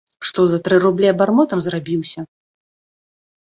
Што за тры рублі абармотам зрабіўся?!